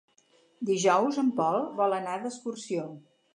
Dijous en Pol vol anar d'excursió.